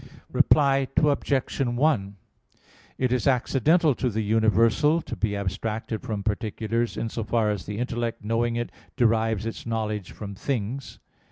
Reply Obj. 1: It is accidental to the universal to be abstracted from particulars, in so far as the intellect knowing it derives its knowledge from things.